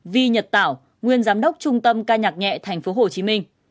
vi nhật tảo nguyên giám đốc trung tâm ca nhạc nhẹ tp hcm